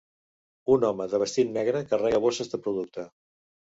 Un home de vestit negre carrega bosses de producte